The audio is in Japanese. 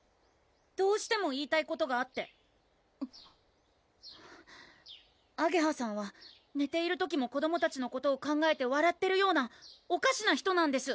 どうしても言いたいことがあってあげはさんはねている時も子どもたちのことを考えてわらってるようなおかしな人なんです！